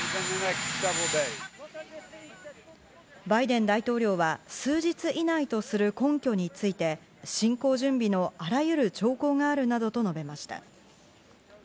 バイデン大統領は数日以内とする根拠について、侵攻準備のあらゆる兆候があるなどと述べました。